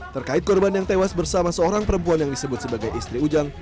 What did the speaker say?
terkait korban yang tewas bersama seorang perempuan yang disebut sebagai istri ujang